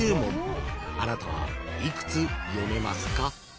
［あなたは幾つ読めますか？］